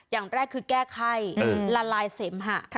อย่างแรกคือแก้ไข้ละลายเสมหะ